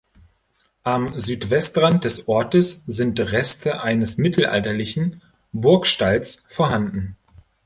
Am Südwestrand des Ortes sind Reste eines mittelalterlichen Burgstalls vorhanden.